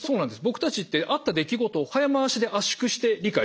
僕たちってあった出来事を早回しで圧縮して理解してますよね？